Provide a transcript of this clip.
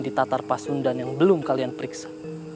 ditatar pasundan yang belum kalian periksa